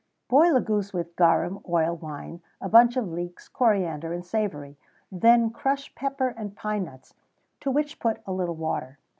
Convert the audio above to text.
_ Boil a goose with garum, oil, wine, a bunch of leeks, coriander, and savory; then crush pepper and pine nuts, to which put a little water.